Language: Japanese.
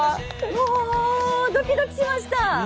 もうドキドキしました。